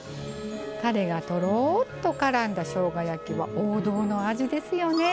たれがとろっとからんだしょうが焼きは王道の味ですよね。